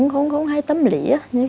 không hay tâm lý